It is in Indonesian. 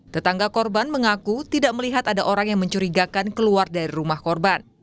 tetangga korban mengaku tidak melihat ada orang yang mencurigakan keluar dari rumah korban